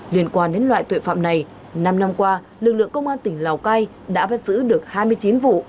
liên quan đến loại tội phạm này năm năm qua lực lượng công an tỉnh lào cai đã bắt giữ được hai mươi chín vụ